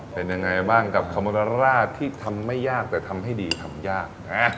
เป็นยังไงบ้างกับคอโมนาร่าที่ทำไม่ยากแต่ทำให้ดีทำยาก